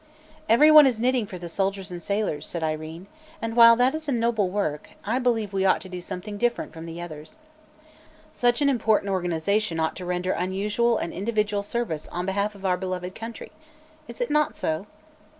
"Everyone is knitting for the soldiers and sailors," said Irene, "and while that is a noble work, I believe that we ought to do something different from the others. Such an important organization ought to render unusual and individual service on behalf of our beloved country. Is it not so?"